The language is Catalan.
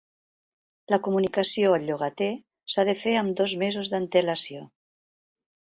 La comunicació al llogater s'ha de fer amb dos mesos d'antelació.